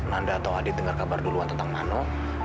nanda atau adit dengar kabar duluan tentang mano